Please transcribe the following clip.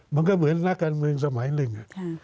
มันก็เหมือนนักการร์มการมืองสมัยนึง